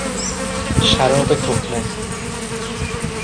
شراب کهنه